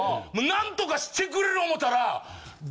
なんとかしてくれる思たら。